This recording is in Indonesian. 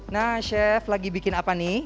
nah chef lagi bikin apa nih